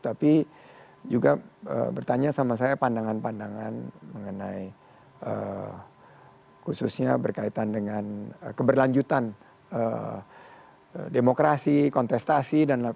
tapi juga bertanya sama saya pandangan pandangan mengenai khususnya berkaitan dengan keberlanjutan demokrasi kontestasi